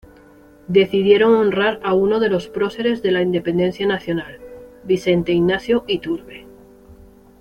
Decidieron honrar a uno de los próceres de la independencia nacional, Vicente Ignacio Iturbe.